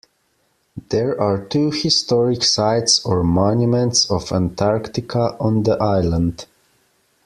There are two Historic Sites or Monuments of Antarctica on the island.